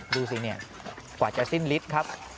ดูสินี่กว่าจะสิ้นลิสต์ครับ